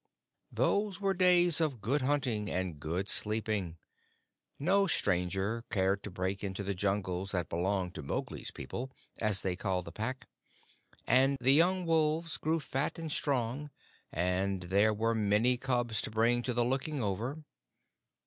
Those were days of good hunting and good sleeping. No stranger cared to break into the jungles that belonged to Mowgli's people, as they called the Pack, and the young wolves grew fat and strong, and there were many cubs to bring to the Looking over.